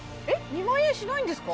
２万円しないんですか？